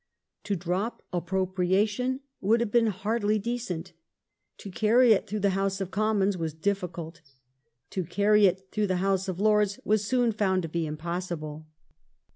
To drop " appropriation " would have been hardly decent ; to caiTy it through the House of Commons was difficult ; to caiTy it through the House of Lords was soon found to be im possible.